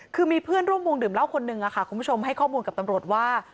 คือมีเพื่อนร่วมวงดื่มเหล้าคนนึงค่ะคุณผู้ชมให้ข้อมูลกับตำรวจว่า